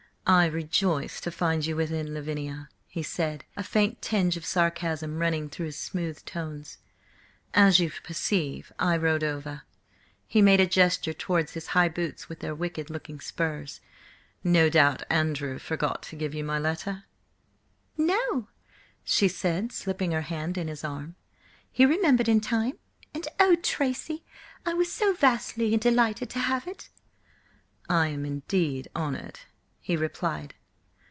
"I rejoice to find you within, Lavinia," he said, a faint tinge of sarcasm running through his smooth tones. "As you perceive, I rode over." He made a gesture towards his high boots with their wicked looking spurs. "No doubt Andrew forgot to give you my letter?" "No," she said, slipping her hand in his arm. "He remembered in time, and–oh, Tracy, I was so vastly delighted to have it!" "I am indeed honoured," he replied.